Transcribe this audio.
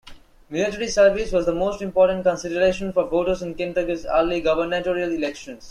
Military service was the most important consideration for voters in Kentucky's early gubernatorial elections.